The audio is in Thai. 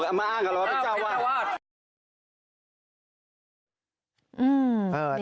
จู่แบบมามาอ้างกันแล้วว่าเป็นเจ้าวาด